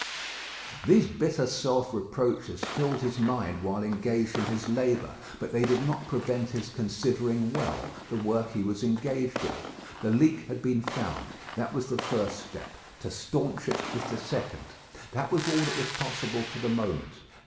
These bitter self reproaches filled his mind while engaged in his labour, but they did not prevent his considering well the work he was engaged in. The leak had been found; that was the first step: to staunch it was the second. That was all that was possible for the moment.